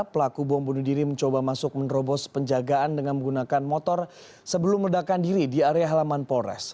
pelaku bom bunuh diri mencoba masuk menerobos penjagaan dengan menggunakan motor sebelum meledakan diri di area halaman polres